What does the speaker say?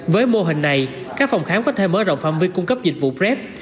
với mô hình này các phòng khám có thể mở rộng phạm viên cung cấp dịch vụ prep